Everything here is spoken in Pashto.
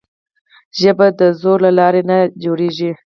ژبه د زور له لارې نه جوړېږي.